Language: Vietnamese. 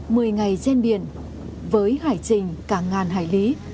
mười ngày gen biển với hải trình cả ngàn hải lý